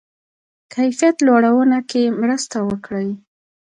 کیفیت لوړونه کې مرسته وکړي.